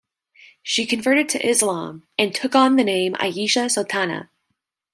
She converted to Islam and took on the name Ayesha Sultana.